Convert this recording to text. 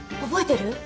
覚えてる？